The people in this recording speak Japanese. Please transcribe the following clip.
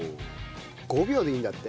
５秒でいいんだって。